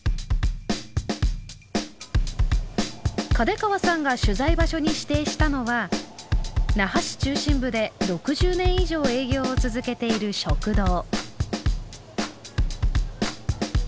嘉手川さんが取材場所に指定したのは那覇市中心部で６０年以上営業を続けている食堂。